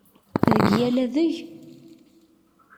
Deg yal adeg?